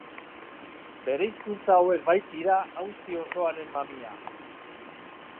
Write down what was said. Bereizkuntza hauek baitira auzi osoaren mamia.